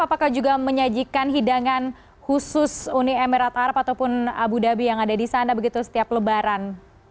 apakah juga menyajikan hidangan khusus uni emirat arab ataupun abu dhabi yang ada di sana begitu setiap lebaran